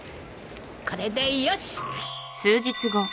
これでよし！